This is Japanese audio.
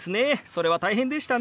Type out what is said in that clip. それは大変でしたね。